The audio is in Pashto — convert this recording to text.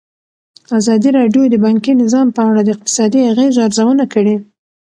ازادي راډیو د بانکي نظام په اړه د اقتصادي اغېزو ارزونه کړې.